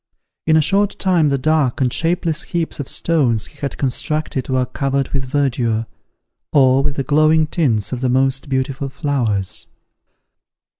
In a short time the dark and shapeless heaps of stones he had constructed were covered with verdure, or with the glowing tints of the most beautiful flowers.